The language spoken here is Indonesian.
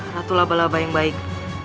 ratulah balaba yang baik